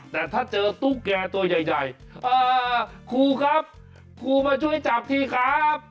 แต่ถ้าเจอตุ๊กแก่ตัวใหญ่ครูครับครูมาช่วยจับทีครับ